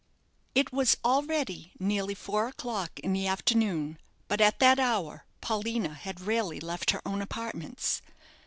It was already nearly four o'clock in the afternoon; but at that hour Paulina had rarely left her own apartments.